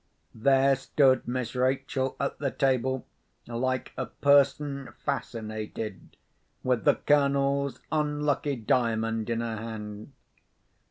There stood Miss Rachel at the table, like a person fascinated, with the Colonel's unlucky Diamond in her hand.